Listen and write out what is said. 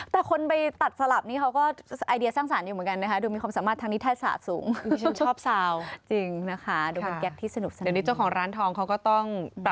แต่คนไปตัดสลับนี้เขาก็ไอเดียสร้างสารอยู่เหมือนกันนะคะ